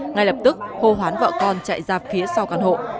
ngay lập tức hô hoán vợ con chạy ra phía sau căn hộ